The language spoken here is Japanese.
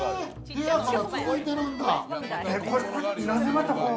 部屋から続いてるんだ。